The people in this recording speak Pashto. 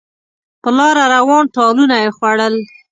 په لاره روان ټالونه یې خوړل